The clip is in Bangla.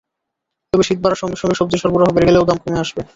তবে শীত বাড়ার সঙ্গে সঙ্গে সবজির সরবরাহ বেড়ে গেলে দামও কমে আসবে।